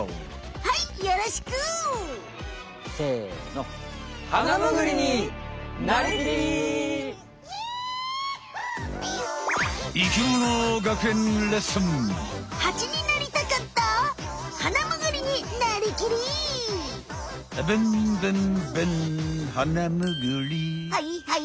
はいはい。